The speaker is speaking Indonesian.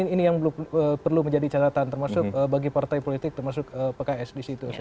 ini yang perlu menjadi catatan termasuk bagi partai politik termasuk pks di situ